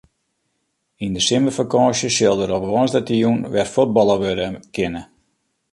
Yn de simmerfakânsje sil der op woansdeitejûn wer fuotballe wurde kinne.